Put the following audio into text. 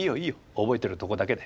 覚えてるとこだけで。